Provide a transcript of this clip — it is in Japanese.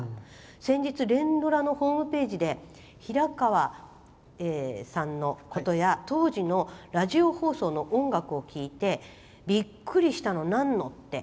先日、連ドラのホームページで平川さんのことや当時のラジオ放送の音楽を聴いてびっくりしたのなんのって。